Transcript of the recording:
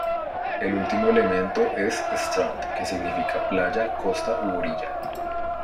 El último elemento es "strand" que significa playa, costa u orilla.